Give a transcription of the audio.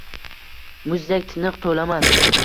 Muzdek, tiniq, to’laman.